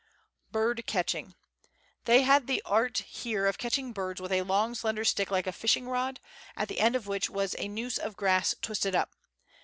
Bird Catching. They had the art here of catching birds with a long slender stick like a fishing rod, at the end of which was a noose of grass twisted up.